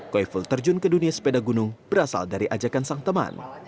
koiful terjun ke dunia sepeda gunung berasal dari ajakan sang teman